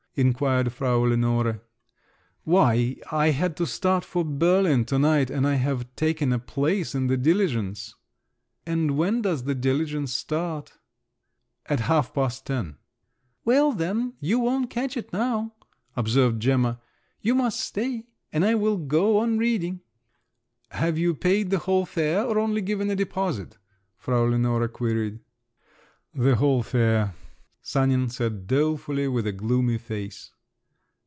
inquired Frau Lenore. "Why, I had to start for Berlin to night, and I have taken a place in the diligence!" "And when does the diligence start?" "At half past ten!" "Well, then, you won't catch it now," observed Gemma; "you must stay … and I will go on reading." "Have you paid the whole fare or only given a deposit?" Frau Lenore queried. "The whole fare!" Sanin said dolefully with a gloomy face.